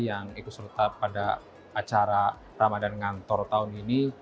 yang ikut serta pada acara ramadhan ngantor tahun ini